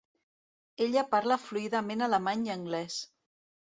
Ella parla fluidament alemany i anglès.